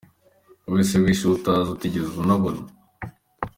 Wowe se wishe uwo utazi utigeze unabona